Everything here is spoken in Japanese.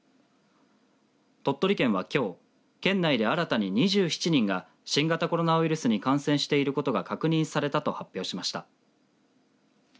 鳥取県は、きょう圏内で新たに２７人が新型コロナウイルスに感染していることが確認されたと発表しました。